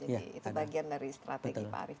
jadi itu bagian dari strategi pak arief